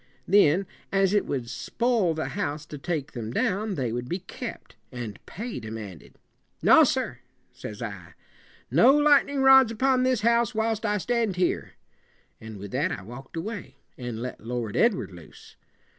Then, as it would spoil the house to take them down, they would be kept, and pay demand ed. "No, sir," says I. "No light en ing rods upon this house whilst I stand here," and with that I walk ed away, and let Lord Edward loose.